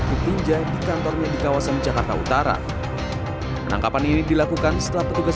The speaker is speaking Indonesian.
ditinjai di kantornya di kawasan jakarta utara penangkapan ini dilakukan setelah petugas